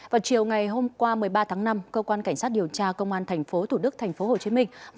vào chiều ngày hôm qua một mươi ba tháng năm cơ quan cảnh sát điều tra công an tp thủ đức tp hcm